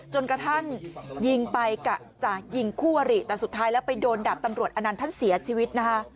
จนกระทั่งยิงไปกะจะยิงคู่อริแต่สุดท้ายแล้วไปโดนดาบตำรวจอนันต์ท่านเสียชีวิตนะคะ